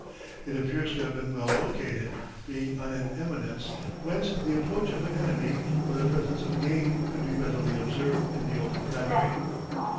It appears to have been well located, being on an eminence, whence the approach of an enemy or the presence of game could be readily observed in the open country.